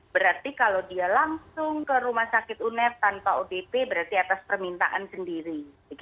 berarti kalau dia langsung ke rumah sakit unet tanpa odp berarti atas permintaan sendiri